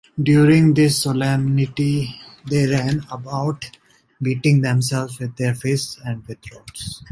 During this solemnity they ran about, beating themselves with their fists and with rods.